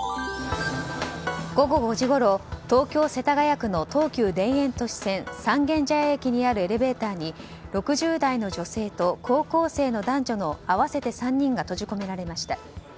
午後５時ごろ東京・世田谷区の東急田園都市線三軒茶屋駅にあるエレベーターに６０代の女性と高校生の男女の合わせて３人が閉じ込められました。